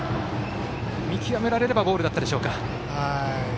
見極められればボールだったか。